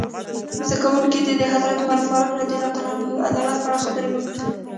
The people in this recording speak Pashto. زده کوونکي دې د حضرت عمر فاروق رض عدالت په اړه خبرې وکړي.